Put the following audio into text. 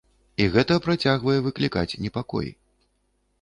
І гэта працягвае выклікаць непакой.